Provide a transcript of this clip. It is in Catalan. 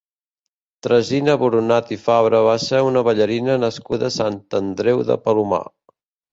Tresina Boronat i Fabra va ser una ballarina nascuda a Sant Andreu de Palomar.